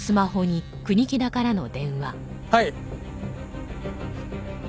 はい。